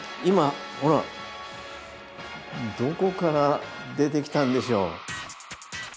今ほらどこから出てきたんでしょう？